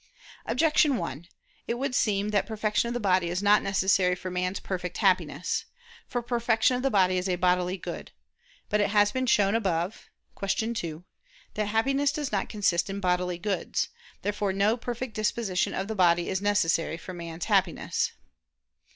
Objection 1: It would seem that perfection of the body is not necessary for man's perfect Happiness. For perfection of the body is a bodily good. But it has been shown above (Q. 2) that Happiness does not consist in bodily goods. Therefore no perfect disposition of the body is necessary for man's Happiness.